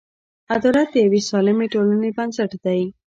عدالت د یوې سالمې ټولنې بنسټ دی.